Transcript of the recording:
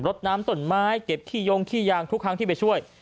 ดน้ำต้นไม้เก็บขี้ยงขี้ยางทุกครั้งที่ไปช่วย